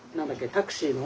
タクシーの。